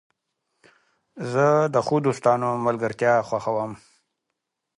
زه د ښو دوستانو ملګرتیا خوښوم.